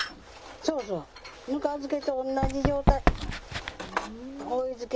そうそうぬか漬けと同じ状態。